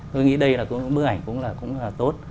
tôi nghĩ đây là bức ảnh cũng là tốt